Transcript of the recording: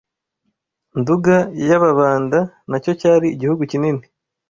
Nduga y’Ababanda nacyo cyari igihugu kinini